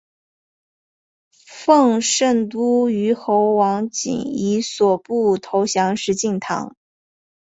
奉圣都虞候王景以所部投降石敬瑭。